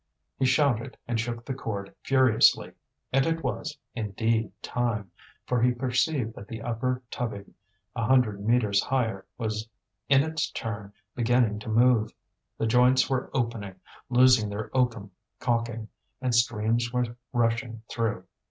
He shouted and shook the cord furiously; and it was, indeed, time, for he perceived that the upper tubbing, a hundred metres higher, was in its turn beginning to move. The joints were opening, losing their oakum caulking, and streams were rushing through.